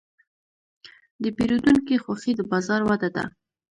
د پیرودونکي خوښي د بازار وده ده.